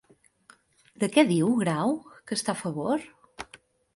De què diu Grau que està a favor?